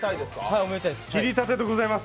切りたてでございます。